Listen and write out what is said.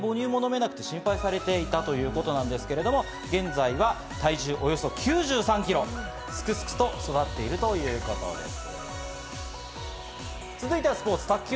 生まれた時は７５グラムで自力で母乳も飲めず、心配されていたということなんですけど、現在は体重およそ９３キロ、すくすくと育っているということです。